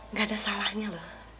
gak ada salahnya loh